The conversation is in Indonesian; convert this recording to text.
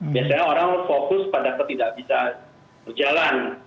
biasanya orang fokus pada ketidak bisa berjalan